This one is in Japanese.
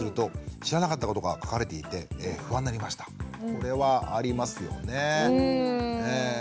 これはありますよね。